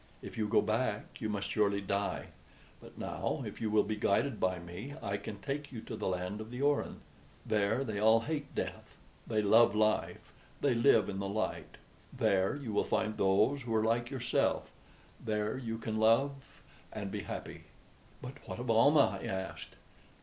If you go back you must surely die; but now, if you will be guided by me, I can take you to the land of the Orin. There they all hate death, they love life, they live in the light. There you will find those who are like yourself; there you can love and be happy." "But what of Almah?" I asked.